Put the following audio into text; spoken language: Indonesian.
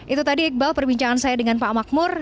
itu tadi iqbal perbincangan saya dengan pak makmur